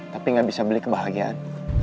tapi gak bisa beli kebahagiaan